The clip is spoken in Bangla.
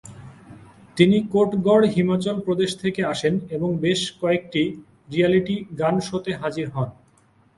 তিনি কোটগড় হিমাচল প্রদেশ থেকে আসেন, এবং বেশ কয়েকটি রিয়ালিটি গান শোতে হাজির হন।